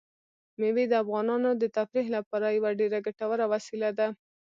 مېوې د افغانانو د تفریح لپاره یوه ډېره ګټوره وسیله ده.